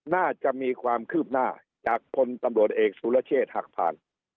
น่าจะมีความคืบหน้าจากคนตำรวจเอกสุรเชษฐ์หักผ่าน